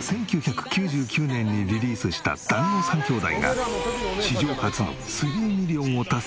１９９９年にリリースした『だんご３兄弟』が史上初の３ミリオンを達成する大ヒット！